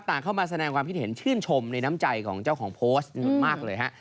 เข้ามาแสดงความคิดเห็นชื่นชมในน้ำใจของเจ้าของโพสต์มากเลยฮะ